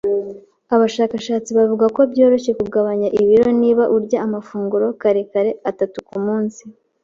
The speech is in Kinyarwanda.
Abashakashatsi bavuga ko byoroshye kugabanya ibiro niba urya amafunguro kare kare atatu kumunsi.